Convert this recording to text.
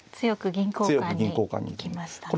強く銀交換に行きましたね。